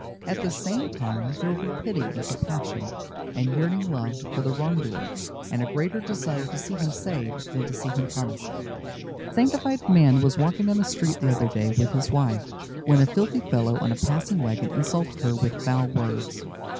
At the same time there will be pity and compassion and yearning love for the wrong doer and a greater desire to see him saved than to see him punished. A sanctified man was walking down the street the other day with his wife, when a filthy fellow on a passing wagon insulted her with foul words.